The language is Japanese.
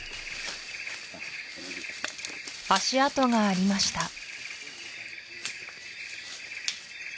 足跡がありました